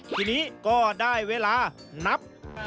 ทีนี้ก็ได้เวลานับ